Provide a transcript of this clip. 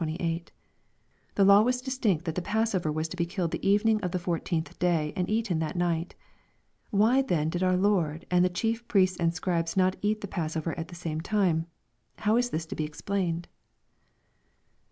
The law was distinct that the passover was to be killed the evening of the fourteenth day, and eaten that night. Why then did our Lord and the chie: priests and Scribes not eat the passover at the same time ? How is this to be explained